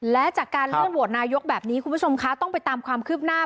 และจากการเลื่อนโหวตนายกแบบนี้คุณผู้ชมคะต้องไปตามความคืบหน้า